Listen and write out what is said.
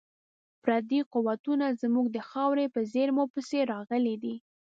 پردي قوتونه زموږ د خاورې په زیرمو پسې راغلي دي.